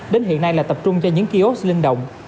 đến hiện nay là tập trung cho những kiosk linh động